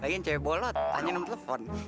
lagi cewek bolot tanya nunggu telepon